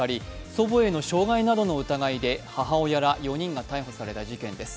祖母への傷害などの疑いで母親ら４人が逮捕した事件です。